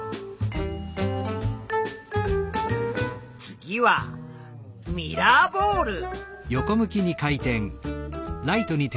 次はミラーボール。